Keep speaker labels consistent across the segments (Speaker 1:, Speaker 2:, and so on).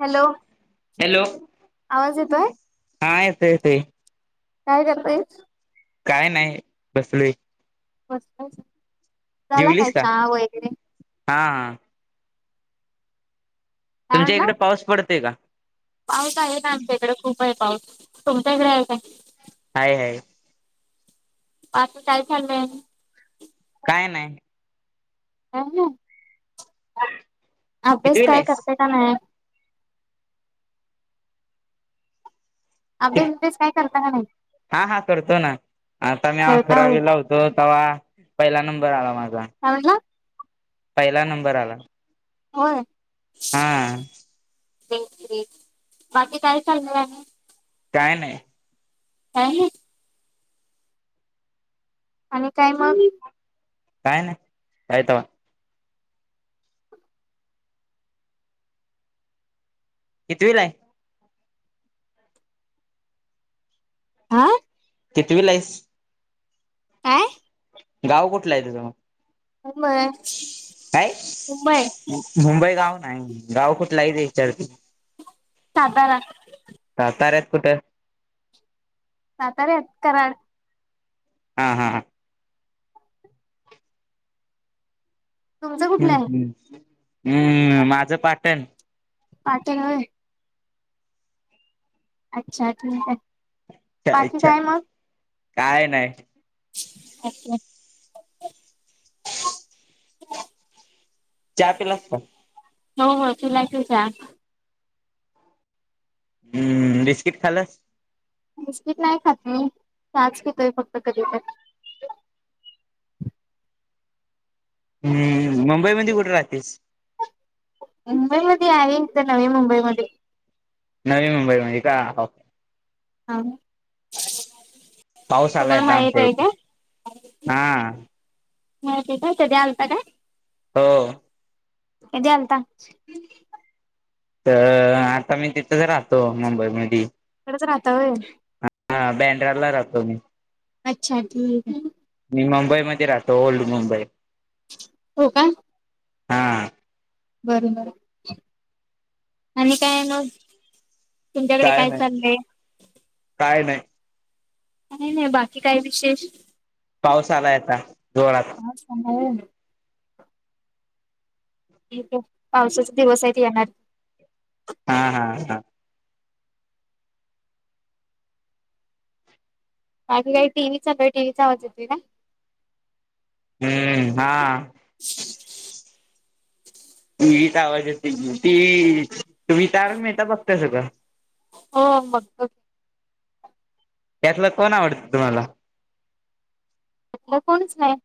Speaker 1: Hello
Speaker 2: hello
Speaker 1: आवाज येतोय
Speaker 2: हा येतो तोय तोय.
Speaker 1: काय करतेयस?
Speaker 2: काय नाही. बसले.
Speaker 1: झाला काय
Speaker 2: का?
Speaker 1: चहा वगैरे?
Speaker 2: हा, हा.
Speaker 1: काय
Speaker 2: तुमच्या
Speaker 1: म्हणला
Speaker 2: इकडे पाऊस पडतोय का?
Speaker 1: पाऊस आहे ना आमच्याकडे खूप आहे पाऊस. तुमच्याकडे आहे काय?
Speaker 2: हाय हाय
Speaker 1: बाकी काय चाल लं आणि?
Speaker 2: काय. नाही
Speaker 1: अनु अभ्यास
Speaker 2: कितवीला
Speaker 1: काय
Speaker 2: आहेस?
Speaker 1: करत्या का नाही? अभ्यास अभ्यास काय करता का नाही
Speaker 2: हा, हा. करतो ना. आता मी
Speaker 1: खेळता होय
Speaker 2: अकरावी
Speaker 1: काय
Speaker 2: होतो तेवा पहिला नंबर आला माझा.
Speaker 1: काय म्हणला?
Speaker 2: पहिला नंबर आला.
Speaker 1: होय.
Speaker 2: हम.
Speaker 1: ग्रेट, ग्रेट बाकी काय चालणार आणि?
Speaker 2: काय नाही.
Speaker 1: काय नाहि. आणि काय मग?
Speaker 2: काय नाही. काय तवा. कितवीला हाय?
Speaker 1: आं.
Speaker 2: कितीवीला हाईस?
Speaker 1: काय?
Speaker 2: गाव कुठल हाय तुझं मग?
Speaker 1: आम.
Speaker 2: काय मुंबई गाव नाही गाव कुठल हाय ते विचारतोय?
Speaker 1: साधारण.
Speaker 2: साताऱ्यात कुठं?
Speaker 1: सातात्यात कराड.
Speaker 2: हा, हा, ह.
Speaker 1: तुमचं कुठलं
Speaker 2: हम्
Speaker 1: आहे
Speaker 2: हम् हम्म माझं पाटण
Speaker 1: पाठ हय अच्छा ठीक आहे बाकी
Speaker 2: चछचछ काय नाही
Speaker 1: अचछा
Speaker 2: चहा पिला असत
Speaker 1: हो हो तुलाचच
Speaker 2: हम्म बिस्किट खालास
Speaker 1: मिस्किट नाही खात मी चारज खेतोय फक्त कधी तर
Speaker 2: हम्म मुंबई म कुठे राहतेस
Speaker 1: मुंबईमध्येध्ये आहे तर नवी मुंबईमध्ये
Speaker 2: नवी मुंबई म का
Speaker 1: हा
Speaker 2: पाऊसला
Speaker 1: तुम्हाला
Speaker 2: यतामप
Speaker 1: माहित आहे का
Speaker 2: हा
Speaker 1: मातीयच्या ते्या आतार
Speaker 2: हो
Speaker 1: हे्या आलता
Speaker 2: तर आता मी तिथंच राहतो मुंबई मध
Speaker 1: तिथंच राहता होय
Speaker 2: हा बँड्रा ला राहतो मी
Speaker 1: अच्छा ठीक
Speaker 2: मी मुंबईमध्ये राहतो ओल्ड मुंबई
Speaker 1: हो का
Speaker 2: हा
Speaker 1: बरं बरं आणि काय मग तुमच्याकडे काय चाललंय
Speaker 2: काय नाही
Speaker 1: नाही नाही बाकी काय विशेष
Speaker 2: पाऊस आलाय आता जोरात
Speaker 1: पाऊस आलाय होय पावसाचे दिवस आहेत येणार
Speaker 2: हा हा हा
Speaker 1: बाकी काही टीव्ही चालू आहे टीव्हीचा आवाज येतोय ना
Speaker 2: हम्म हा
Speaker 1: [unintelligible]
Speaker 2: इथं आवाज येतय ती तुम्ही तारण मेहता बघतायसा का
Speaker 1: हो बघतो
Speaker 2: त्यातला कोण आवडतं तुम्हाला
Speaker 1: त्यातलं कोणच नाही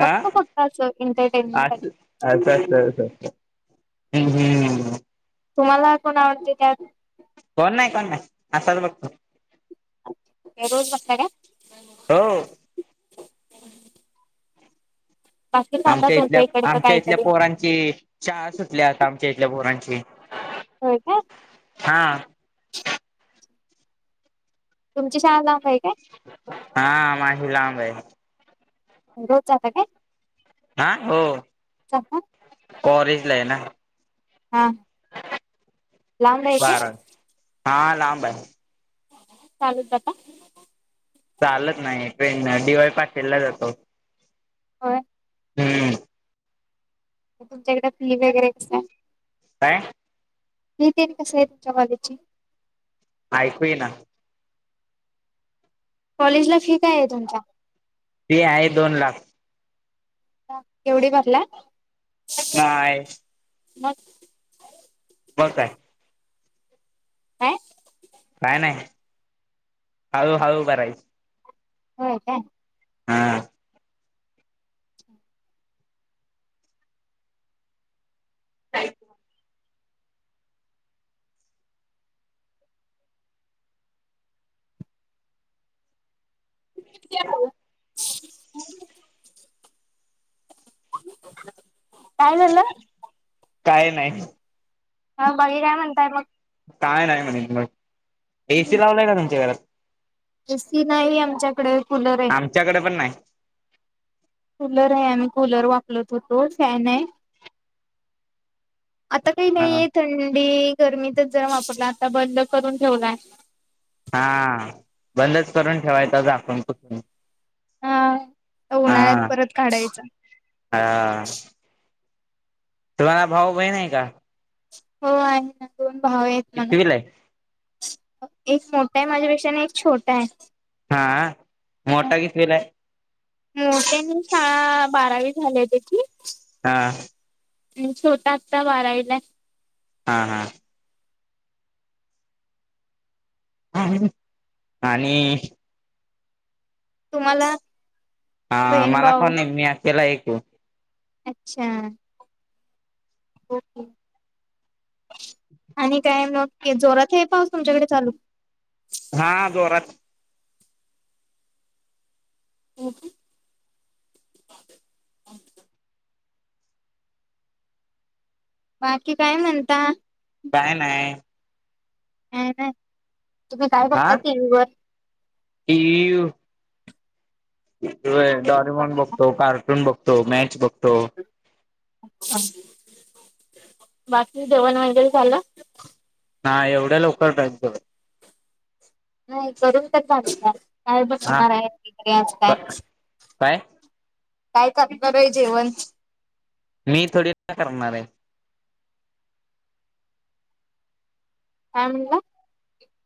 Speaker 1: बघतो फक्त असं एंटरटेनमेंट
Speaker 2: अ
Speaker 1: साठी
Speaker 2: अच्छा अच्छा [unintelligible]
Speaker 1: तुम्हाला कोण आवडते त्यात
Speaker 2: कोण नाही कोण नाही असाच बघतो
Speaker 1: काय रोज बघताय काय
Speaker 2: हो
Speaker 1: बाकी सांगा
Speaker 2: आमच्या इथल्या
Speaker 1: तुमच्या इकडचं
Speaker 2: आमच्या इथल्या
Speaker 1: काहीतरी
Speaker 2: पोरांची चहा सुटल्या आता आमच्या इथल्या पोरांची
Speaker 1: होय काय
Speaker 2: हा
Speaker 1: तुमची शाळा लांब आहे काय
Speaker 2: हा माझी लांब आहे
Speaker 1: रोज जाता काय
Speaker 2: हा हो
Speaker 1: जाता
Speaker 2: कॉरेजला आहे ना
Speaker 1: हा लांब राहायचं
Speaker 2: बारावी हा लांब आहे
Speaker 1: चालत जाता
Speaker 2: चालत नाही ट्रेननं डीवाय पाटीलला जातो
Speaker 1: होय
Speaker 2: हम्म
Speaker 1: तुमच्याकडे फी वगैरे कसं आहे
Speaker 2: काय
Speaker 1: नी तेनी कसेत [unintelligible]
Speaker 2: ऐकू येईना
Speaker 1: कॉलेज ला फी काय आहे तुमच्या
Speaker 2: फी आहे दोन लाख
Speaker 1: केवढी भरलाय
Speaker 2: काय
Speaker 1: मग
Speaker 2: मग काय
Speaker 1: काय
Speaker 2: नाही नाही हळू हळू भरायच.
Speaker 1: हो का.
Speaker 2: हा थँक्यू. [inaudible]
Speaker 1: ह काय झालं?
Speaker 2: काय नाही.
Speaker 1: हा बाकी काय म्हणताय मग.
Speaker 2: काय नाही म्हणे मग एसी
Speaker 1: मग
Speaker 2: लावलाय का तुमच्या घरात?
Speaker 1: एसी नाही आमच्याकडे कुलर आहे.
Speaker 2: आमच्याकडे पण नाही
Speaker 1: कूलर आहे आम्ही कूलर वापर रत होतो फॅन आहे आता काही
Speaker 2: हा
Speaker 1: नाहीय थंडी. गरमीतच जरा वापरला आता बंद करून ठेवलाय.
Speaker 2: हा बंदच करून ठेवायचं आपण कुठून,
Speaker 1: हा उन्हाळ्यात परत काढायच.
Speaker 2: हा तुम्हाला भाऊ बहीण आहे का?
Speaker 1: हो आहे ना दोन भाव एक बहिण.
Speaker 2: कितवीला आहे
Speaker 1: एक मोठा आहे माझ्यापेक्षा आणि एक छोटा आहे.
Speaker 2: हा मोठा कितवीला आहे
Speaker 1: ् त्यांनी शाळा बारावी झालेली.
Speaker 2: हा
Speaker 1: छोटा आता बारावीला.
Speaker 2: हा हा आणि
Speaker 1: तुम्हाला
Speaker 2: हा
Speaker 1: बहीण
Speaker 2: मला
Speaker 1: भाऊ
Speaker 2: कोण नाही मी अकेला एकदम.
Speaker 1: अच्छा! आणि काय मग जोरात आहे पाऊस तुमच्याकडे चालू?
Speaker 2: हा जोरात.
Speaker 1: हम ह बाकी काय म्हणता?
Speaker 2: काय नाही,
Speaker 1: ह तुम्ही काय बघता टीव्ही वर?
Speaker 2: टि वी डॉरमॉन बघतो, कार्टून बघतो मॅच बघतो.
Speaker 1: अ् बाकी जेवण वगैेर झालं?
Speaker 2: नाही एवढ्या लवकर नाही जेवून.
Speaker 1: नाही करून तर का पण होणारकाय
Speaker 2: हा
Speaker 1: बनवणार आहे अस काय.
Speaker 2: काय?
Speaker 1: काय करणारय जेवण?
Speaker 2: मी थोडी च काय करणार आहे.
Speaker 1: का म्हनला?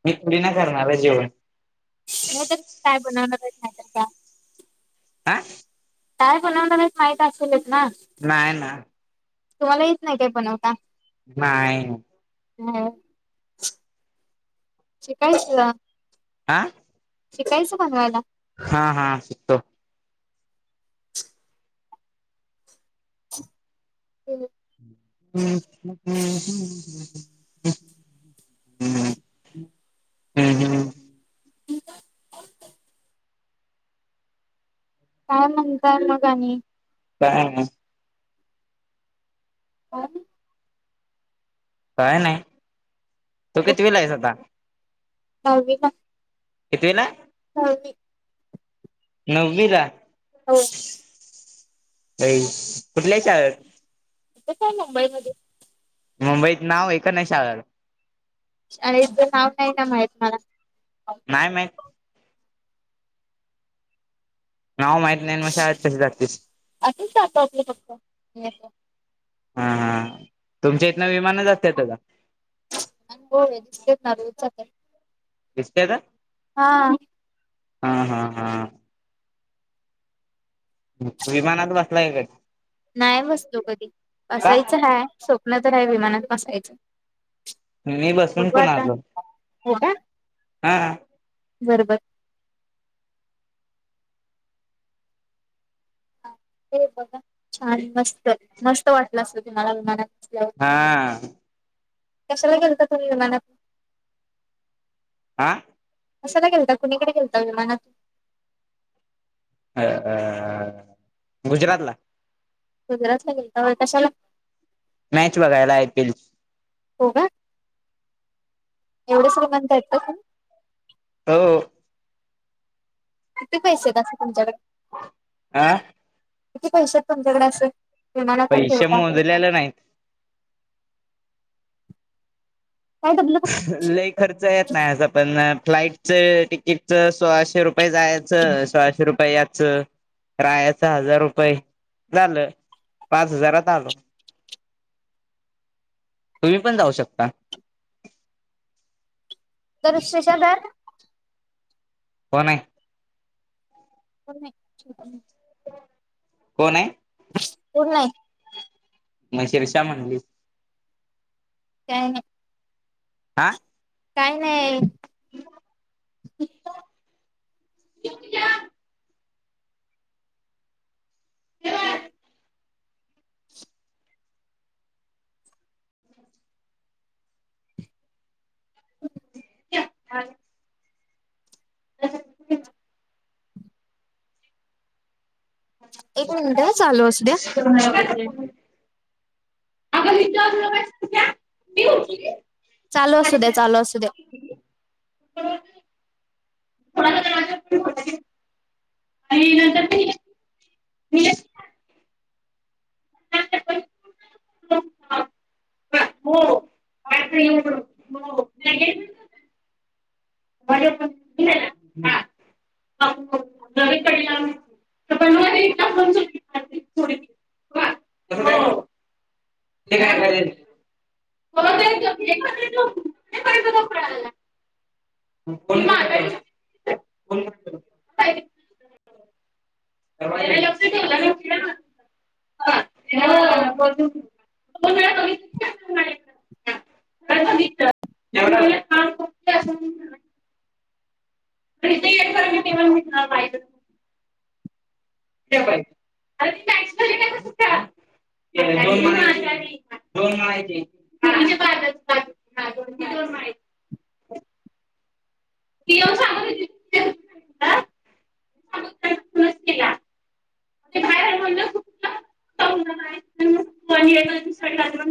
Speaker 2: मी थोडी ना करणार आहे जेवण.
Speaker 1: नाहीतर पण काय बनवणारच नाहीतर का.
Speaker 2: आा
Speaker 1: काय बनवनार माहित असेल कि,
Speaker 2: नाहीय ना.
Speaker 1: तुम्हाला येत नाही काय बनवता?
Speaker 2: नाही.
Speaker 1: ह [unintelligible] शिकयच.
Speaker 2: आा?
Speaker 1: शिकायचं बनवायला.
Speaker 2: हा हा शिकतो,
Speaker 1: होम्,
Speaker 2: हम्म हम्म हम्, हम्म हम्म हम्म [unintelligible]
Speaker 1: काय म्हणताय मग आणि,
Speaker 2: काय नाही,
Speaker 1: हम,
Speaker 2: काय नाही तू कितवीला आहेस आता?
Speaker 1: नवी ला,
Speaker 2: कितवीला?
Speaker 1: दहावी,
Speaker 2: नववी ला?
Speaker 1: हो,
Speaker 2: अई कुठल्या शाळेंत,
Speaker 1: हेतच मुंबईमध्ये,
Speaker 2: मुंबईत नाव आहे नाही शाळला,
Speaker 1: शाळेच नाव नाही, ना माहीत मला,
Speaker 2: नाही मा नाव माहित नाही मग शाळेत कशी जगतेस,
Speaker 1: असंच जातो आपलं फक्त
Speaker 2: हा हा तुमच्या इथन विमानं जातात का?
Speaker 1: होय [unintelligible]
Speaker 2: [unintelligible]
Speaker 1: हा,
Speaker 2: हा हा हा, विमानात बसलाय काय,
Speaker 1: नाही बसलो कधी
Speaker 2: का
Speaker 1: असायचं, हाय स्वप्न तर आहे विमानात बसायचं.
Speaker 2: मी बसून
Speaker 1: बघू
Speaker 2: पण
Speaker 1: आता
Speaker 2: आलो हा,
Speaker 1: बर बर, हे बघा छान मस्त मस्त वाटलं, असत तुम्हाला विमानात बसल्यावर
Speaker 2: हा
Speaker 1: कशाला गेलता तुम्ही विमानात
Speaker 2: आह
Speaker 1: कं ना गेलता कुणीकडे गेलता विमाना तू
Speaker 2: अ गुजरात ला
Speaker 1: नजराच लागेल का कशाला
Speaker 2: मॅच बघायला आयपीएल
Speaker 1: हो का एवढे श्रीमंत आहेत का का
Speaker 2: हो
Speaker 1: किती पैसेेतस तुच्याकडे
Speaker 2: आह
Speaker 1: किती पैसे आहेत तुमच्याकडे असे फमाला पण
Speaker 2: पैसे
Speaker 1: खेळता
Speaker 2: मोजलेले नाहीत
Speaker 1: दबलं
Speaker 2: लई खर्च येत नाही असं पण फ्लाईटच तिकीटच सोळाशे रुपये जायचं सोहाशे रुपये याच रायाच हजार रुपये झालं पाच हजारात आलो तुम्ही पण जाऊ शकता
Speaker 1: तर शेषाधर
Speaker 2: होन
Speaker 1: प नाहीछट
Speaker 2: कोण आहे
Speaker 1: पूढ नाही
Speaker 2: म शेर शा म्हणाली
Speaker 1: काना
Speaker 2: आा
Speaker 1: काय नाही क
Speaker 2: [unintelligible]
Speaker 1: अच
Speaker 2: ह अ
Speaker 1: एक मिनट चालू अस दे्या
Speaker 2: अग
Speaker 1: द्या
Speaker 2: [unintelligible] [unintelligible] का नंत हो ये हो नाही कड मला एकदाडी ते काय ला [unintelligible] लक्ष ठेव ह [unintelligible] थ मीवन घेतणार माहि ल आता तॅक्स का [unintelligible] हा दो दोड माहिती येऊन सांगतह [unintelligible]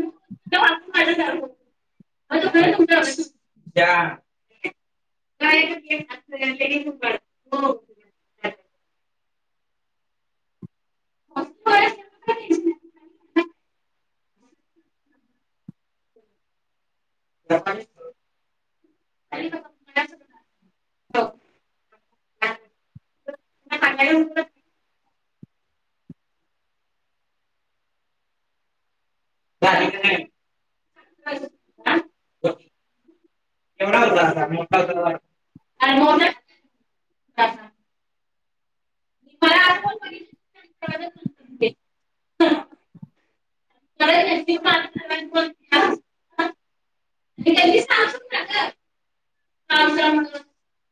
Speaker 2: [unintelligible] हो [unintelligible] [inaudible] [unintelligible] [unintelligible] सांगाल [unintelligible] एवढ मोठ [unintelligible] [unintelligible] [unintelligible]